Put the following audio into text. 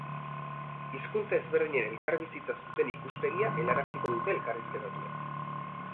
Hizkuntza ezberdinen elkarbizitzaz duten ikuspegia helaraziko dute elkarrizketatuek.